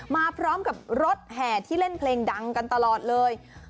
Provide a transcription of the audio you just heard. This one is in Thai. มาพร้อมกับรถแห่ที่เล่นเพลงดังกันตลอดเลย